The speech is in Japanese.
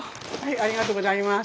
ありがとうございます。